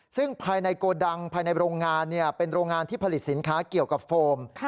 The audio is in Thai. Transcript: ซึ่งภายในโกดังภายในโรงงานเป็นโรงงานที่ผลิตสินค้าเกี่ยวกับโฟม